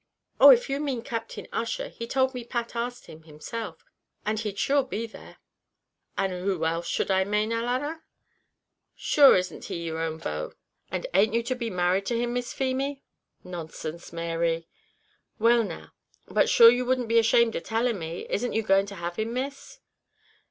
"Oh! if you mean Captain Ussher, he told me Pat asked him himself, and he'd sure be there." "And who else should I main, alanna; sure isn't he your own beau, and ain't you to be married to him, Miss Feemy?" "Nonsense, Mary." "Well, now, but sure you wouldn't be ashamed of telling me isn't you going to have him, Miss?"